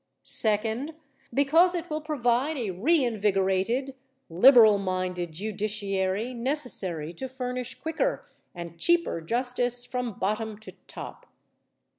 Second, because it will provide a reinvigorated, liberal minded judiciary necessary to furnish quicker and cheaper justice from bottom to top.